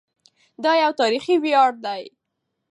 دا یو تاریخي ویاړ دی.